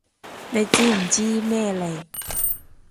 你知唔知咩嚟？